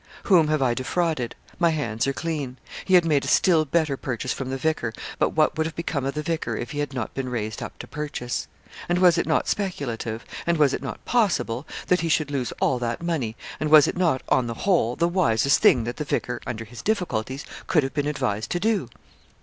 Whom have I defrauded? My hands are clean! He had made a still better purchase from the vicar; but what would have become of the vicar if he had not been raised up to purchase? And was it not speculative, and was it not possible that he should lose all that money, and was it not, on the whole, the wisest thing that the vicar, under his difficulties, could have been advised to do?